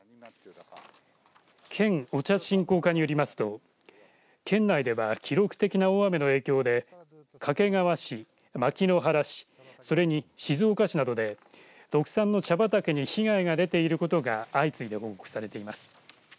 県お茶振興課によりますと県内では記録的な大雨の影響で掛川市、牧之原市それに静岡市などで特産の茶畑に被害が出ていることが相次いで報告されています。